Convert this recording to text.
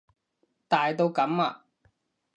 大到噉啊？